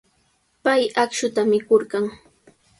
Pay akshuta mikurqan.